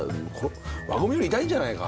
輪ゴムより痛いんじゃないか？